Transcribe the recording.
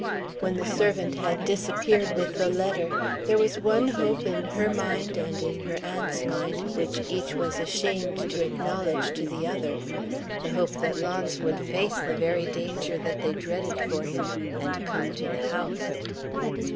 When the servant had disappeared with the letter, there was one hope in her mind and in her aunt's mind, which each was ashamed to acknowledge to the other the hope that Launce would face the very danger that they dreaded for him, and come to the house.